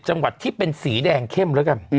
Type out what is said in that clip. จังหวัดที่เป็นสีแดงเข้มแล้วกัน